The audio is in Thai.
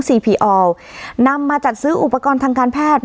ผีออลนำมาจัดซื้ออุปกรณ์ทางการแพทย์